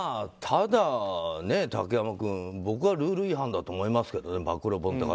ただ竹山君、僕はルール違反だと思いますけどね。